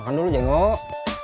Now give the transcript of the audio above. makan dulu jengok